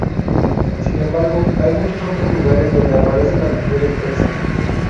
Sin embargo, hay muchos otros lugares donde aparecen las mujeres persas.